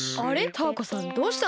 タアコさんどうしたの？